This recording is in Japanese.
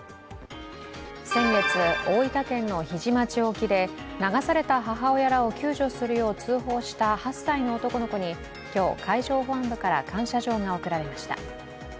先月、大分県の日出町沖で流された母親らを救助するよう通報した８歳の男の子に今日、海上保安部から感謝状が送られました。